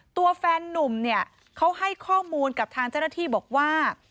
ตัวแฟนนุ่มเนี่ยเขาให้ข้อมูลกับทางเจ้าหน้าที่บอกว่า